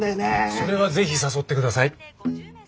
それはぜひ誘って下さい！